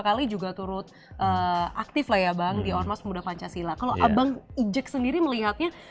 kali juga turut aktif lah ya bang di ormas pemuda pancasila kalau abang ijek sendiri melihatnya